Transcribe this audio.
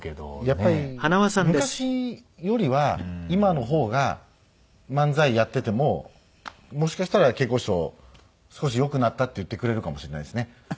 やっぱり昔よりは今の方が漫才やっててももしかしたら桂子師匠「少し良くなった」って言ってくれるかもしれないですね。